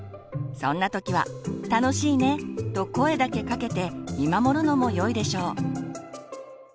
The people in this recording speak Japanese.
そんな時は「楽しいね」と声だけかけて見守るのもよいでしょう。